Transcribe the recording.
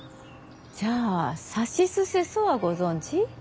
じゃあ「さしすせそ」はご存じ？